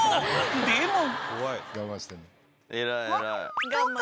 ［でも］